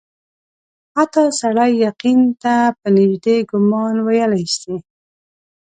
حتی سړی یقین ته په نیژدې ګومان ویلای سي.